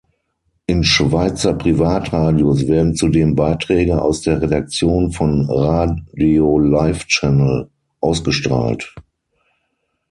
In Schweizer Privatradios werden zudem Beiträge aus der Redaktion von Radio Life Channel ausgestrahlt.